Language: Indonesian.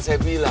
dua tiga terus